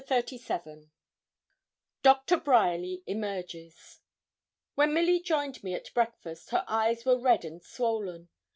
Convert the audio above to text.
CHAPTER XXXVII DOCTOR BRYERLY EMERGES When Milly joined me at breakfast, her eyes were red and swollen.